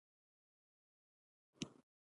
له بدلون ويره نده پکار